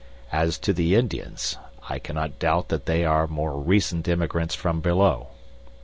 As to the Indians I cannot doubt that they are more recent immigrants from below.